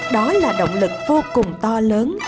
đó là động lực vô cùng to lớn